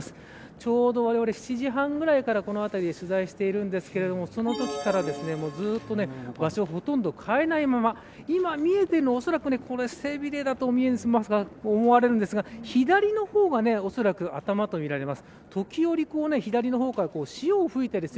ちょうど、われわれ７時半ぐらいからこの場で取材しているんですけれどもそのときからずっと場所、ほとんど変えないまま今、見えているのがおそらく背びれだと思われるんですが左の方がおそらく頭とみられます。